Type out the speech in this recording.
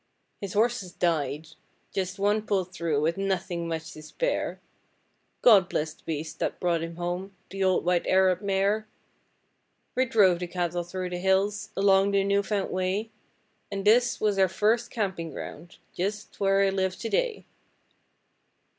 His horses died just one pulled through with nothing much to spare; God bless the beast that brought him home, the old white Arab mare! We drove the cattle through the hills, along the new found way, And this was our first camping ground just where I live to day.